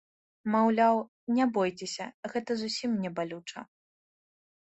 Маўляў, не бойцеся, гэта зусім не балюча!